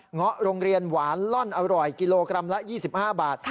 เงาะโรงเรียนหวานล่อนอร่อยกิโลกรัมละ๒๕บาท